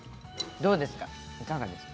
どうですか？